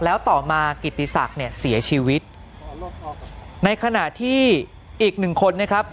แล้วต่อมากิติศักดิ์เนี่ยเสียชีวิตในขณะที่อีกหนึ่งคนนะครับ